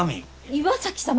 岩崎様！？